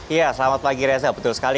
iya selamat pagi reza betul sekali